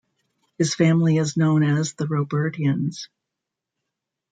His family is known as the Robertians.